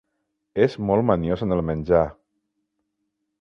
És molt maniós en el menjar.